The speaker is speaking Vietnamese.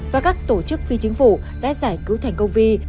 và các tổ chức phi chính phủ đã giải cứu thành công vi